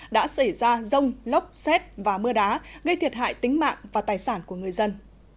đã xảy ra rông lốc xét và mưa đá gây thiệt hại tính mạng và tài sản của người dân